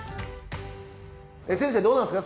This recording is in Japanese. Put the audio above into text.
先生どうなんですか？